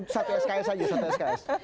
satu sks saja satu sks